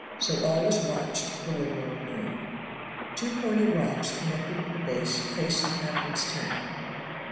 So all was watched the livelong night. Two pointed rocks connected at the base faced the captain's tent.